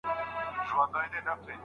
ایا ماشومانو ته مو د سبزیجاتو د ګټو ویلي؟